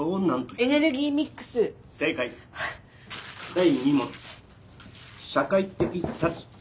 第２問社会的たち。